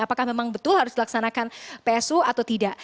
apakah memang betul harus dilaksanakan psu atau tidak